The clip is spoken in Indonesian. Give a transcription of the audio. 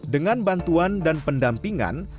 dengan bantuan dan pendampingan